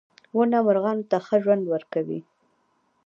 • ونه مرغانو ته ښه ژوند ورکوي.